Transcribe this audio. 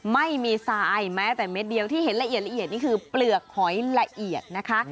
ไม่มีทรายแม้แต่เม็ดเดียวที่เห็นละเอียดละเอียดนี่คือเปลือกหอยละเอียดนะคะ